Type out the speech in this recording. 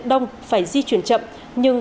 đông phải di chuyển chậm nhưng